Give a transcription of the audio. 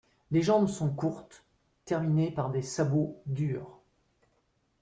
Les jambes sont courtes, terminées par des sabots durs.